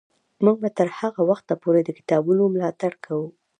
موږ به تر هغه وخته پورې د کتابتونونو ملاتړ کوو.